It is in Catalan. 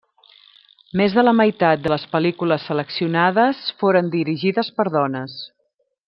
Més de la meitat de les pel·lícules seleccionades foren dirigides per dones.